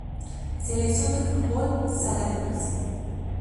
Selección de fútbol sala de Brasil